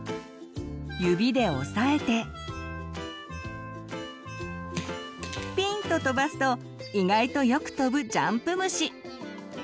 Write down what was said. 指で押さえてピンと跳ばすと意外とよく跳ぶジャンプ虫！